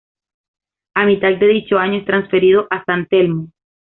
A mitad de dicho año es transferido a San Telmo.